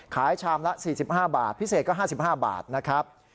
ชามละ๔๕บาทพิเศษก็๕๕บาทนะครับ